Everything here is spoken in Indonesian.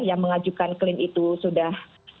yang mengajukan klaim itu sudah